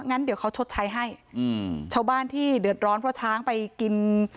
งั้นเดี๋ยวเขาชดใช้ให้อืมชาวบ้านที่เดือดร้อนเพราะช้างไปกิน